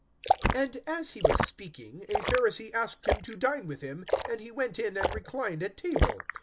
(37)And as he was speaking, a Pharisee asked him to dine with him and he went in, and reclined at table.